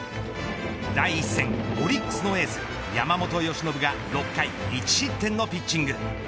第１戦、オリックスのエース山本由伸が６回１失点のピッチング。